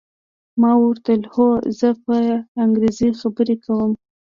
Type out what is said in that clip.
ما ورته وویل: هو، زه په انګریزي خبرې کوم.